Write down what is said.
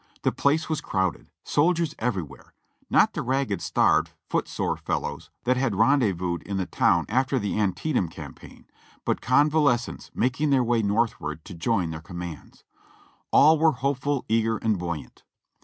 The place was crowded,— soldiers everywhere ; not the ragged, starved, foot sore fellows that had rendezvoused in the town after the Antietam campaign, but convalescents making their way northward to join their commands. All were hopeful, eager and buoyant.